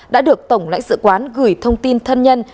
đã được tổng lãnh sự quán gửi thông tin thân nhân